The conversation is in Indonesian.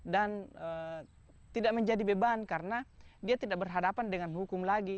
dan tidak menjadi beban karena dia tidak berhadapan dengan hukum lagi